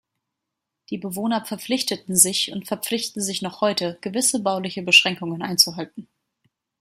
Die Bewohner verpflichteten sich und verpflichten sich noch heute, gewisse bauliche Beschränkungen einzuhalten.